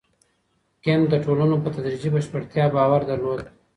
کنت د ټولنو په تدريجي بشپړتيا باور درلود.